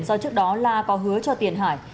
do trước đó la có hứa cho tiền hải